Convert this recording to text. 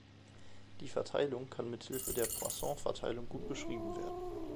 Die Verteilung kann mit Hilfe der Poisson-Verteilung gut beschrieben werden.